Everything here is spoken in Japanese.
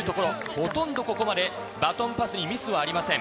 ほとんどここまでバトンパスにミスはありません。